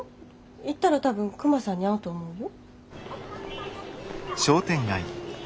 行ったら多分クマさんに会うと思うよ。